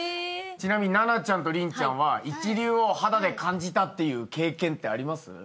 ちなみに奈々ちゃんと麟ちゃんは一流を肌で感じたっていう経験ってあります？